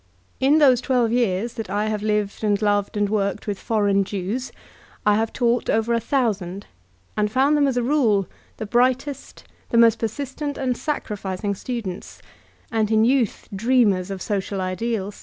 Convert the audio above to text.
In those twelve years that I have lived and loved and worked with foreign Jews I have taught over a thousand, and found them, as a rule, the brightest, the most persistent and sacrificing students, and in youth dreamers of social idcak.